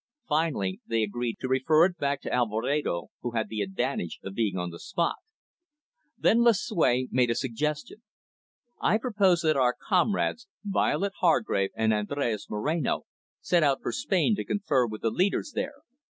Finally, they agreed to refer it back to Alvedero, who had the advantage of being on the spot. Then Lucue made a suggestion. "I propose that our comrades, Violet Hargrave and Andres Moreno, set out for Spain to confer with the leaders there.